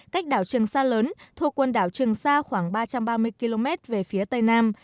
cách đảo trường sa lớn thuộc quần đảo trường sa khoảng ba trăm ba mươi km về phía tây nam